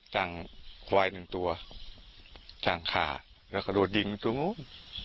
จ้างหวายหนึ่งตัวจ้างฆ่าแล้วก็โดดยิงตรงนู้น